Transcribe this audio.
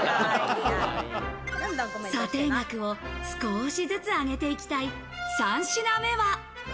査定額を少しずつ上げていきたい３品目は。